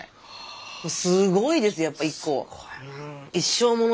すごいですよやっぱ１個。